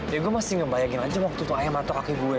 ya gue masih ngebayangin aja waktu tuh ayam atau kaki gue